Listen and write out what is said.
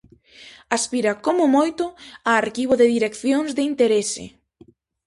Aspira, como moito, a arquivo de direccións de interese.